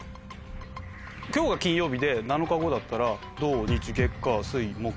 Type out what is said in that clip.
今日が金曜日で７日後だったら土日月火水木金。